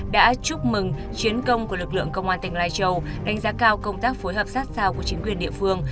đã chúc mừng chiến công của lực lượng công an tỉnh lai châu đánh giá cao công tác phối hợp sát sao của chính quyền địa phương